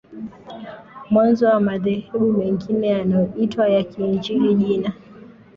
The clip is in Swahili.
mwanzo wa madhehebu mengine yanayoitwa ya Kiinjili Jina